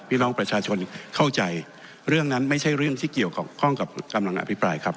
พี่น้องประชาชนเข้าใจเรื่องนั้นไม่ใช่เรื่องที่เกี่ยวข้องกับกำลังอภิปรายครับ